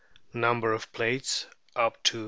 Number of plates up to 370.